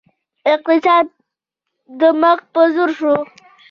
اقتصاد مخ په ځوړ شو